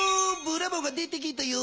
ブラボーが出てきたよ。